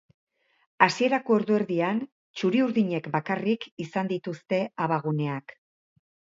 Hasierako ordu erdian, txuri-urdinek bakarrik izan dituzte abaguneak.